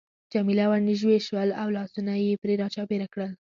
جميله ورنژدې شول او لاسونه يې پرې را چاپېره کړل.